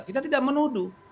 kita tidak menuduh